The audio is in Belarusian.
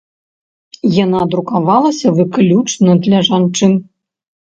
Яна друкавалася выключна для жанчын.